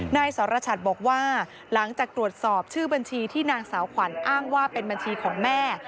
นายสรชัดบอกว่าหลังจากตรวจสอบชื่อบัญชีที่นางสาวขวัญอ้างว่าเป็นบัญชีของแม่